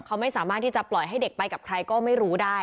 เขาไม่สามารถที่จะปล่อยให้เด็กไปกับใครก็ไม่รู้ได้